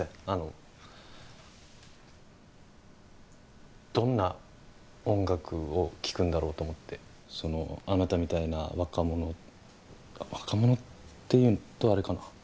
あのどんな音楽を聴くんだろうと思ってそのあなたみたいな若者若者って言うとあれかな